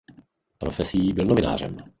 Profesí byl novinářem.